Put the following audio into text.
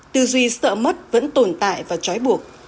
tư duy sợ mất vẫn tồn tại và trói buộc